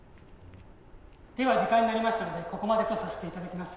では時間になりましたのでここまでとさせていただきます